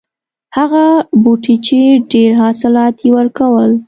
هغه بوټی چې ډېر حاصلات یې ورکول.